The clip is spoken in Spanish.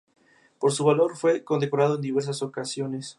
Por su valor fue condecorado en diversas ocasiones.